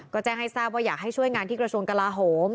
ก็แจ้งให้ทราบว่าอยากให้ช่วยงานที่กระทรวงกลาโหม